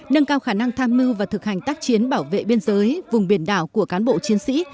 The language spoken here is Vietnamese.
nâng cao khả năng tham mưu và thực hành tác chiến bảo vệ biên giới vùng biển đảo của cán bộ chiến sĩ